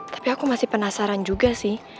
tapi aku masih penasaran juga sih